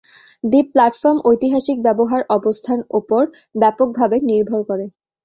দ্বীপ প্ল্যাটফর্ম ঐতিহাসিক ব্যবহার অবস্থান উপর ব্যাপকভাবে নির্ভর করে।